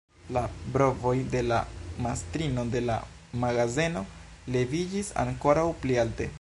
La brovoj de la mastrino de la magazeno leviĝis ankoraŭ pli alte.